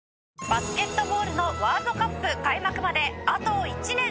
「バスケットボールのワールドカップ開幕まであと１年」